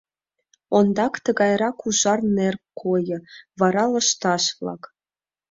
Ондак тыгайрак ужар нер койо, вара лышташ-влак...